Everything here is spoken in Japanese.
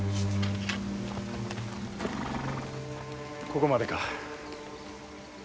ここまでか。